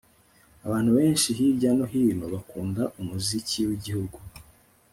Abantu benshi hirya no hino bakunda umuziki wigihugu